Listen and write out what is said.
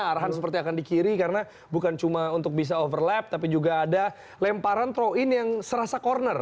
arahan seperti akan di kiri karena bukan cuma untuk bisa overlap tapi juga ada lemparan pro in yang serasa corner